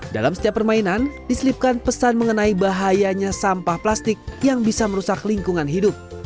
dalam setiap permainan diselipkan pesan mengenai bahayanya sampah plastik yang bisa merusak lingkungan hidup